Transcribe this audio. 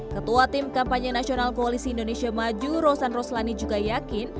ketua tim kampanye nasional koalisi indonesia maju rosan roslani juga yakin